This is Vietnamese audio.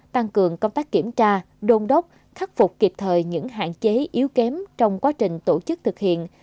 tăng cường công tác kiểm tra đôn đốc khắc phục kịp thời những hạn chế yếu kém trong quá trình tổ chức thực hiện